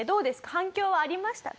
反響はありましたか？